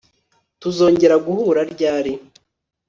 Tuzongera guhura ryari